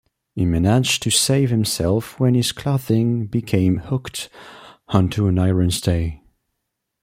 He managed to save himself when his clothing became hooked onto an iron stay.